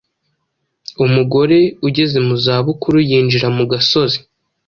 Umugore ugeze mu za bukuru yinjira mu gasozi,